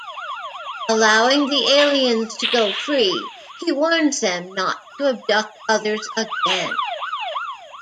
Allowing the aliens to go free, he warns them not to abduct others again.